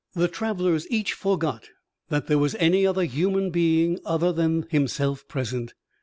The travelers each forgot that there was any other human being than himself present.